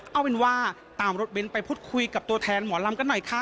เอาเป็นว่าตามรถเบ้นไปพูดคุยกับตัวแทนหมอลำกันหน่อยค่ะ